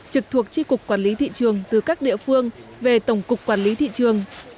trực thuộc tri cục quản lý thị trường từ các địa phương về tổng cục quản lý thị trường